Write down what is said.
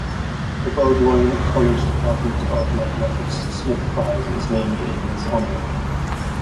The Bowdoin College Department of Mathematics Smyth Prize is named in his honor.